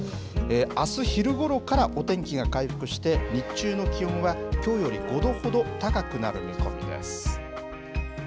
あす昼ごろからお天気が回復して、日中の気温はきょうより５度ほど高くなる見込みです。